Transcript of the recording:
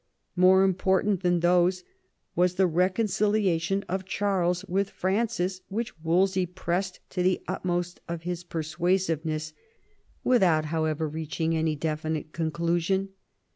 More important than these was the reconciliation of Charles with Francis, which Wolsey pressed to the utmost of his persuasiveness, without, however, reaching IV THE FIELD OF THE CLOTH OF GOLD 63 any definite conclusion.